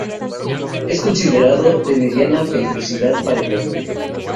Es considerado de mediana peligrosidad para el hombre.